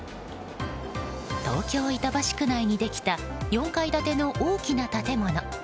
東京・板橋区内にできた４階建ての大きな建物。